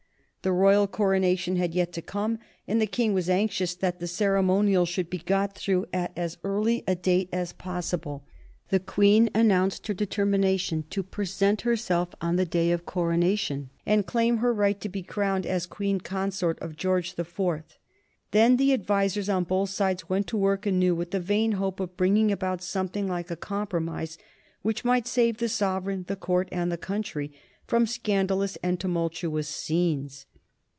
The royal coronation had yet to come, and the King was anxious that the ceremonial should be got through at as early a date as possible. The Queen announced her determination to present herself on the Day of Coronation and claim her right to be crowned as Queen Consort of George the Fourth. Then the advisers on both sides went to work anew with the vain hope of bringing about something like a compromise which might save the sovereign, the Court, and the country from scandalous and tumultuous scenes.